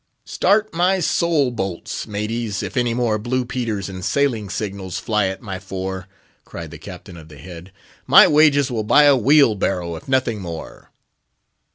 "Start my soul bolts, maties, if any more Blue Peters and sailing signals fly at my fore!" cried the Captain of the Head. "My wages will buy a wheelbarrow, if nothing more."